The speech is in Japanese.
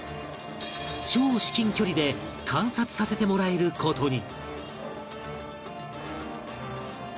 超至近距離で観察させてもらえる事に